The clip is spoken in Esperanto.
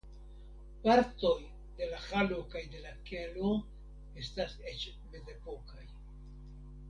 Partoj de la halo kaj de la kelo estas eĉ mezepokaj.